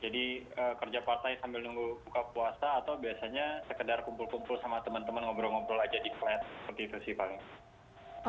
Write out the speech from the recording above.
jadi kerja part time sambil nunggu buka puasa atau biasanya sekedar kumpul kumpul sama teman teman ngobrol ngobrol aja di klat